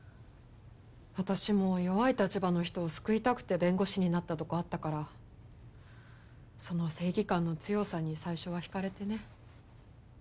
私も弱い立場の人を救いたくて弁護士になったとこあったからその正義感の強さに最初はひかれてね。